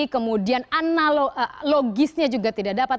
kemudian analogisnya juga tidak dapat